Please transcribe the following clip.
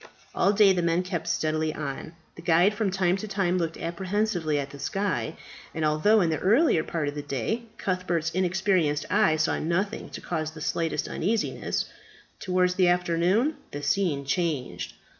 All day the men kept steadily on. The guide from time to time looked apprehensively at the sky; and although in the earlier part of the day Cuthbert's inexperienced eye saw nothing to cause the slightest uneasiness, towards the afternoon the scene changed.